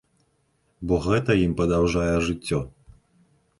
Бо гэта ім падаўжае жыццё.